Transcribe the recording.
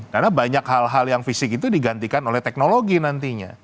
karena banyak hal hal yang fisik itu digantikan oleh teknologi nantinya